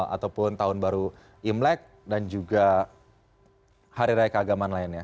ataupun tahun baru imlek dan juga hari raya keagamaan lainnya